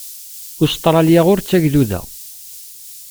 Ustṛalya ur d tagduda.